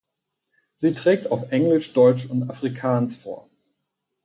Sie trägt auf Englisch, Deutsch und Afrikaans vor.